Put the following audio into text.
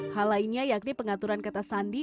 hal lainnya yakni pengaturan kata sandi